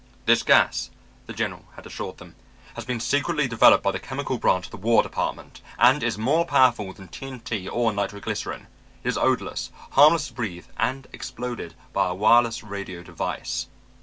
"This gas," the general had assured them, "has been secretly developed by the chemical branch of the War Department and is more powerful than TNT or nitro glycerin. It is odorless, harmless to breathe and exploded by a wireless radio device."